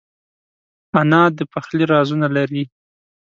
انا د پخلي رازونه لري